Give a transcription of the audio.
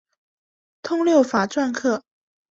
通六法篆刻。